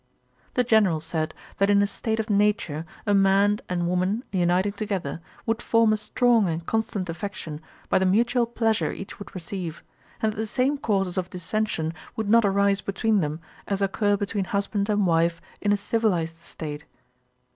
The General said, that in a state of nature a man and woman uniting together, would form a strong and constant affection, by the mutual pleasure each would receive; and that the same causes of dissention would not arise between them, as occur between husband and wife in a civilized state.